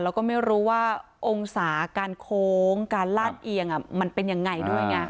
แล้วก็ไม่รู้ว่าองศาการโค้งการลาดเอียงมันเป็นยังไงด้วยไง